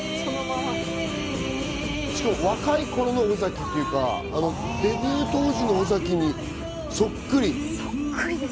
しかも若い頃の尾崎っていうか、デビュー当時の尾崎にそっくり。